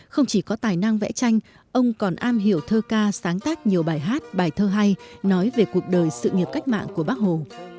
không chỉ có tài năng vẽ tranh ông còn am hiểu thơ ca sáng tác nhiều bài hát bài thơ hay nói về cuộc đời sự nghiệp cách mạng của bác hồ